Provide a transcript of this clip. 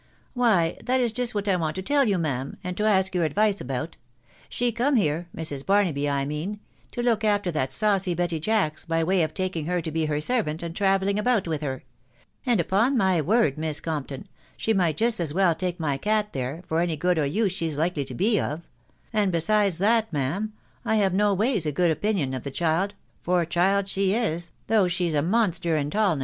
" Why, that is just what I want to tell you, ma'am, and to ask your advice about. She come here — Mrs. Barnaby I mean — to look after that saucy Betty Jacks, by way of taking her to be her servant, and travelling about with her ; and, upon my word, Miss Compton, she might just as well take my cat there, for any good or use she's likely to be of : and besides that, ma'am, I have no ways a good opinion of the child, — for child she is, though she's such a monster in tall.